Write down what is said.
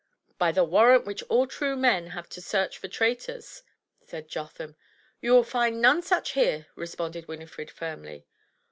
*'" By the warrant which all true men have to search for traitors," said Jotham. "You will find none such here,'* responded Winifred, firmly.